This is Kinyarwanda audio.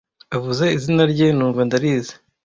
avuze izina rye numva ndarizi